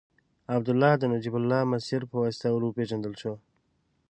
عبدالله د نجیب الله مسیر په واسطه ور وپېژندل شو.